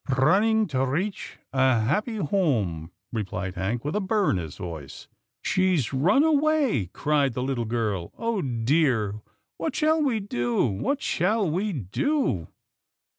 " Rrunning to rreach a happpy Homme," re plied Hank with a burr in his voice. " She's run away," cried the little girl, " Oh dear !— what shall we do — what shall we do?